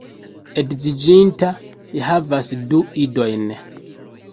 Edziĝinta, li havas du idojn.